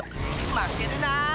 まけるな！